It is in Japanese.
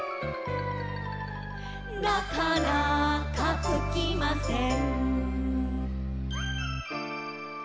「なかなかつきません」